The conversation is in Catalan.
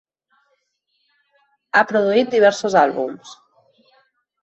Ha produït diversos àlbums.